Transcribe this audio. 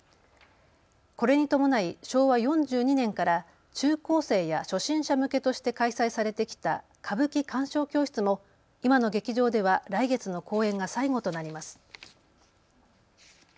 これに伴い昭和４２年から中高生や初心者向けとして開催されてきた歌舞伎鑑賞教室も今の劇場では来月の公演が最後となります。